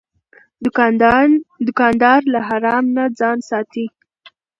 دوکاندار له حرام نه ځان ساتي.